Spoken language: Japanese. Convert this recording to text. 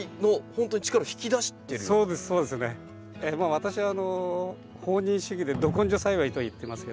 私は放任主義で「ど根性栽培」と言ってますけど。